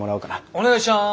お願いします。